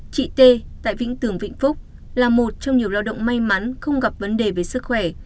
chị t tại vĩnh tường vĩnh phúc là một trong nhiều lao động may mắn không gặp vấn đề về sức khỏe